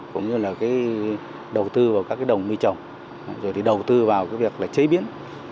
các cái đầu tư vào các cái đồng mi trồng rồi thì đầu tư vào cái việc là chế biến